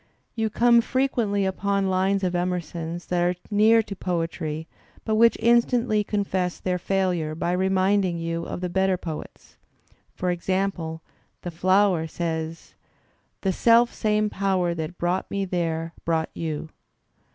You come frequently upon lines of Emerson's that are near to poetry but which instantly confess their failure by reminding you of the better poets. For example, the flower says: The self same Power that brought me there brought you.